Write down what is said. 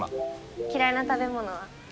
嫌いな食べ物は？